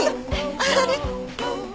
あれ？